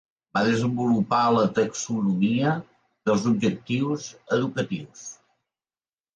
Va desenvolupar la taxonomia dels objectius educatius.